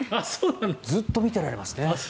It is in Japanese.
ずっと見ていられますね。